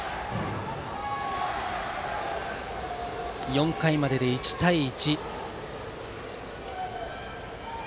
４回までで１対１。